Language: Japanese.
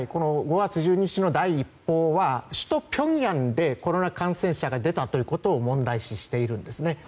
５月１２日の第一報は首都ピョンヤンでコロナ感染者が出たということを問題視しているんですね。